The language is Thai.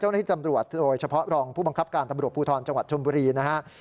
เจ้าหน้าที่ตำรวจโดยเฉพาะรองผู้บังคับการตำรวจภูทรจังหวัดชมบุรีนะฮะ